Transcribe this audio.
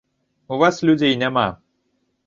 У вас людзей няма.